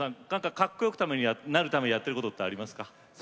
かっこよくなるためにやってることってありますか？